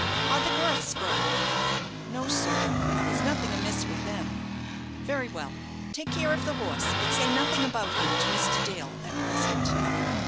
"Are the girths broken?" "No, sir, there's nothing amiss with them." "Very well. Take care of the horse, but say nothing about him to Mr. Dale at present."